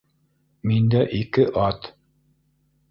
— Миндә ике ат.